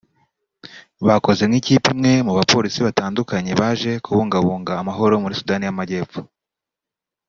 bakoze nk’ikipe imwe mu bapolisi batandukanye baje kubungabunga amahoro muri Sudani y’Amajyepfo